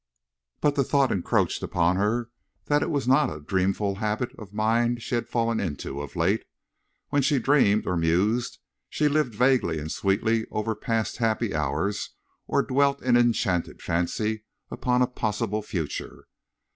But the thought encroached upon her that it was not a dreamful habit of mind she had fallen into of late. When she dreamed or mused she lived vaguely and sweetly over past happy hours or dwelt in enchanted fancy upon a possible future.